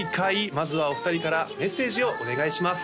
まずはお二人からメッセージをお願いします